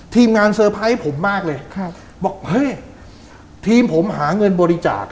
ทีมงานเซอร์ไพรส์ผมมากเลยครับบอกเฮ้ยทีมผมหาเงินบริจาค